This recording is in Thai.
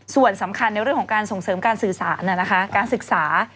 ส่วนสำคัญในเรื่องของการส่งเสริมการศึกษา